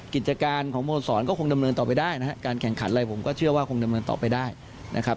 กิจการของโมสรก็คงดำเนินต่อไปได้นะครับการแข่งขันอะไรผมก็เชื่อว่าคงดำเนินต่อไปได้นะครับ